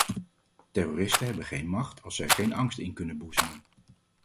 Terroristen hebben geen macht als zij geen angst in kunnen boezemen.